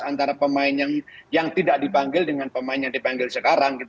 antara pemain yang tidak dipanggil dengan pemain yang dipanggil sekarang